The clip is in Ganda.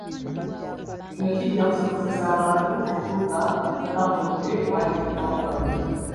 Kino kijja kusobozese abantu okutuuka eka mu budde obwateekebwawo gavumenti.